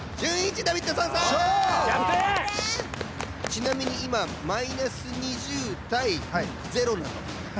ちなみにいまマイナス２０対ゼロなの。